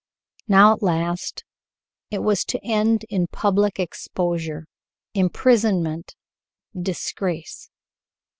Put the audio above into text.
Now at last it was to end in public exposure, imprisonment, disgrace.